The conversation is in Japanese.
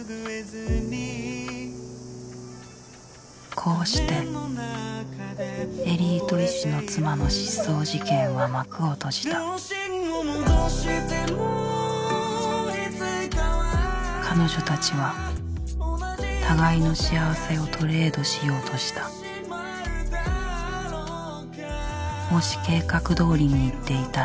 こうしてエリート医師の妻の失踪事件は幕を閉じた彼女たちは互いの幸せをトレードしようとしたもし計画通りにいっていたら